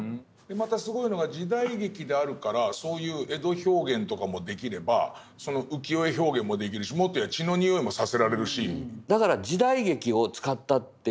またすごいのが時代劇であるからそういう江戸表現とかもできれば浮世絵表現もできるしもっと言やあ血の匂いもさせられるし。